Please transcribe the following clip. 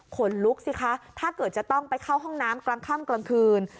ขนลุกสิคะถ้าเกิดจะต้องไปเข้าห้องน้ำกลางค่ำกลางคืน